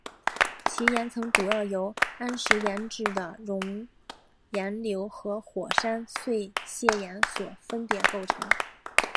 其岩层主要是由安山岩质的熔岩流和火山碎屑岩所分别构成。